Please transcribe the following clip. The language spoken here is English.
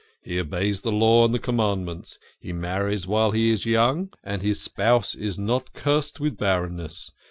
He obeys the Law and the Com mandments. He marries while he is young and his spouse is not cursed with barrenness.